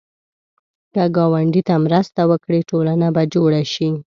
که ګاونډي ته مرسته وکړې، ټولنه به جوړه شي